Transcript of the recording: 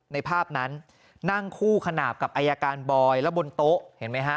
ในภาพนั้นนั่งคู่ขนาบกับอายการบอยแล้วบนโต๊ะเห็นไหมฮะ